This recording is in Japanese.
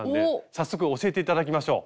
早速教えて頂きましょう。